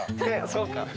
そうか。